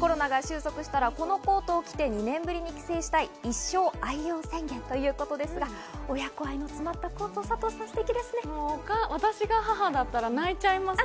コロナが収束したら、このコートを着て、２年ぶりに帰省したい、一生愛用宣言ということですが、親子愛の詰まったコート、佐藤さ私が母だったら泣いちゃいます。